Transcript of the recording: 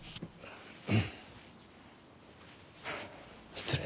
失礼。